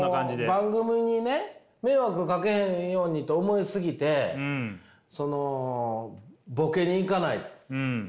番組にね迷惑かけへんようにと思い過ぎてそのボケにいかない。